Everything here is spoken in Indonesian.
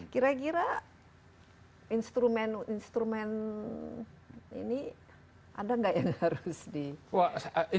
kira kira instrumen instrumen ini ada nggak yang harus di